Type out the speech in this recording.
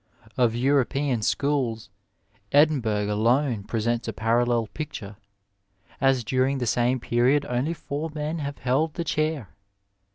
Of European schools, Edinburgh alone presents a parallel picture, as during the same period only four men have held the chair.